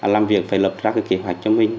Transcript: làm việc phải lập ra cái kế hoạch cho mình